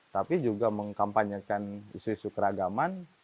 tapi juga mengkampanyekan isu isu keragaman